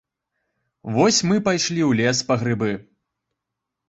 Вось мы пайшлі ў лес па грыбы.